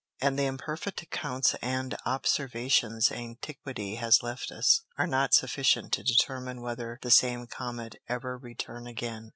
And the imperfect Accounts and Observations Antiquity has left us, are not sufficient to determine whether the same Comet ever return again.